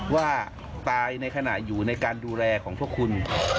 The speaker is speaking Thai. ว่าตายในขณะอยู่ในการดูแลของพวกคุณ